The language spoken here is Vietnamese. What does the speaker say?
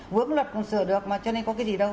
vướng luật sửa được mà cho nên có cái gì đâu